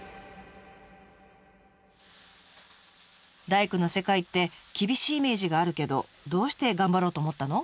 大工の世界って厳しいイメージがあるけどどうして頑張ろうと思ったの？